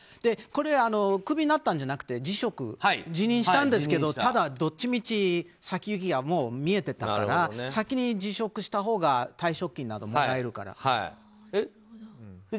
これはクビになったんじゃなくて辞任したんですけどただ、どっちみち先行きが見えてたから先に辞職したほうが退職金などがもらえるから。